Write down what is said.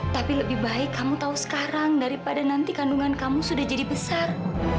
tapi lebih baik kamu tahu sekarang daripada nanti kandungan kamu sudah jadi besar